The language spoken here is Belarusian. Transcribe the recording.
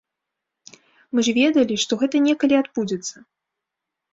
Мы ж ведалі, што гэта некалі адбудзецца.